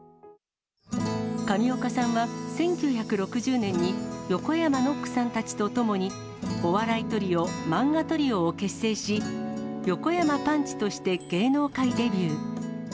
上岡さんは１９６０年に横山ノックさんたちと共に、お笑いトリオ、漫画トリオを結成し、横山パンチとして芸能界デビュー。